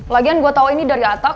lagian gue tau ini dari atta kok